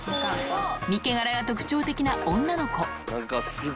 三毛柄が特徴的な女の子。